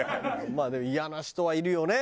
まあでもイヤな人はいるよね